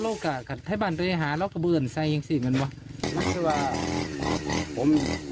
แล้วกับไทยบาลเรหาแล้วก็เบื่ออนไทยอย่างสิมันวะมันคือว่าผม